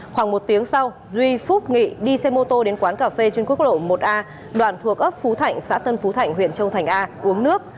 khoảng một tiếng sau duy phúc nghị đi xe mô tô đến quán cà phê trên quốc lộ một a đoạn thuộc ấp phú thạnh xã tân phú thạnh huyện châu thành a uống nước